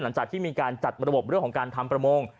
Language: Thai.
หลังจากที่มีการจัดระบบเรื่องของการทำประมง